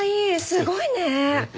すごいね！